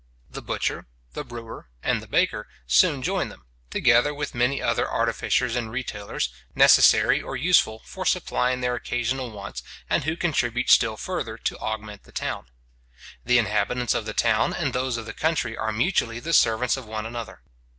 The butcher, the brewer, and the baker, soon join them, together with many other artificers and retailers, necessary or useful for supplying their occasional wants, and who contribute still further to augment the town. The inhabitants of the town, and those of the country, are mutually the servants of one another.